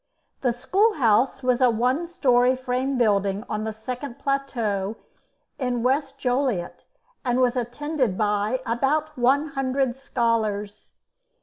The school house was a one storey frame building on the second plateau in West Joliet, and was attended by about one hundred scholars.